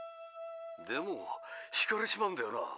でもひかれちまうんだよな。